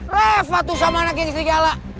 reva tuh sama anak yang istri galak